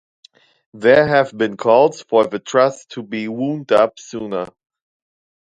There have been calls for the Trust to be wound up sooner.